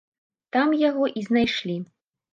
Там яго і знайшлі.